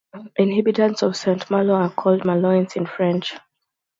Inhabitants of Saint-Malo are called "Malouins" in French.